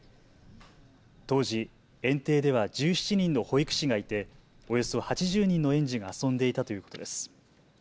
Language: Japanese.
当時、園庭では１７人の保育士がいて、およそ８０人の園児が遊んでいたということです。